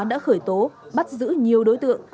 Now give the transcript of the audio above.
đã khởi tố bắt giữ nhiều đối tượng